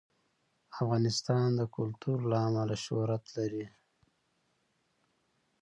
افغانستان د کلتور له امله شهرت لري.